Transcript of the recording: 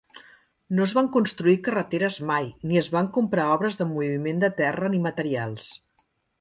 No es van construir carreteres mai, ni es van comprar obres de moviment de terra ni materials.